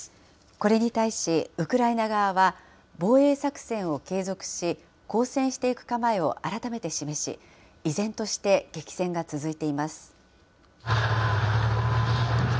これに対し、ウクライナ側は、防衛作戦を継続し、抗戦していく構えを改めて示し、依然として激戦が続いています。